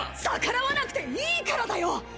逆らわなくていいからだよ！！